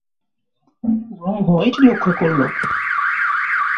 ব্রহ্ম এটি লক্ষ্য করল।